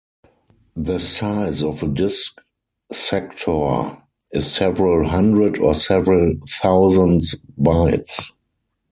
The size of a disk sectors is several hundred or several thousands bytes.